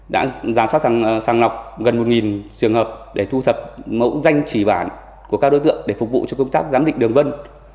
đã giả soát sàng lọc gần một trường hợp để thu thập mẫu danh chỉ bản của các đối tượng để phục vụ cho công tác giám định đường vân